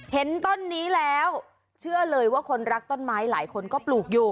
เห็นต้นนี้แล้วเชื่อเลยว่าคนรักต้นไม้หลายคนก็ปลูกอยู่